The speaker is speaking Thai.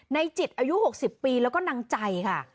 ในจิตอายุ๖๐ปีแล้วก็นางใจค่ะ